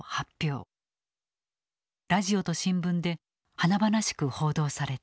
ラジオと新聞で華々しく報道された。